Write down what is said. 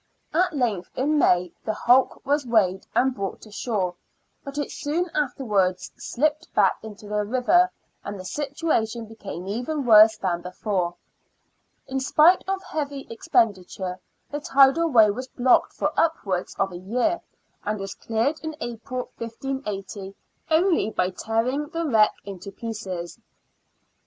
At length, in May, the hulk was weighed and brought to shore ; but it soon afterwards slipped back into the river, and the situation became even worse than before. In spite of heavy expen diture, the tidal way was blocked for upwards of a year, and was cleared in April, 1580, only by tearing the wreck to pieces.